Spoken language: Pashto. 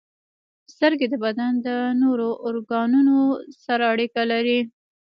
• سترګې د بدن د نورو ارګانونو سره اړیکه لري.